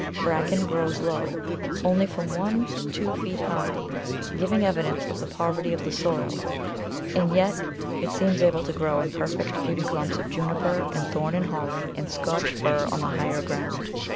Bracken grows low, only from one to two feet high, giving evidence of the poverty of the soil, and yet it seems able to grow in perfect beauty clumps of Juniper and Thorn and Holly, and Scotch Fir on the higher ground.